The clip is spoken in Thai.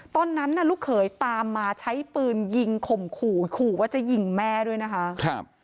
ตอนนั้นน่ะลูกเขยตามมาใช้ปืนยิงข่มขู่ขู่ว่าจะยิงแม่ด้วยนะคะ